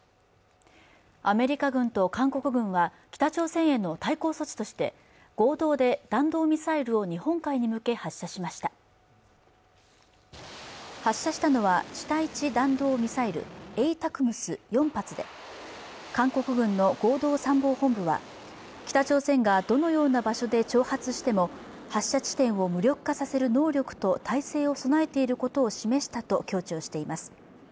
アメリカ軍と韓国軍は北朝鮮への対抗措置として合同で弾道ミサイルを日本海に向け発射しました発射したのは地対地弾道ミサイルＡＴＡＣＭＳ４発で韓国軍の合同参謀本部は北朝鮮がどのような場所で挑発しても発射地点を無力化させる能力と態勢を備えていることを示したと強調しています